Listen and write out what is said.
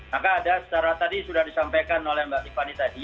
maka ada secara tadi sudah disampaikan oleh mbak tiffany tadi